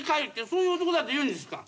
そういう男だというんですか？